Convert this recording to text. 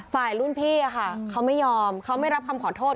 ฝ่ายรุ่นพี่เขาไม่ยอมเขาไม่รับคำขอโทษ